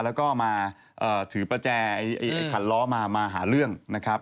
แล้วก็มาถือประแจไอ้ขันล้อมามาหาเรื่องนะครับ